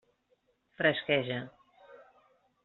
Fresqueja.